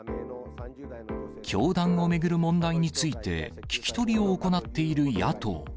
教団を巡る問題について、聞き取りを行っている野党。